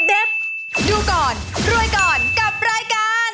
ดูก่อนรวยก่อนกับรายการ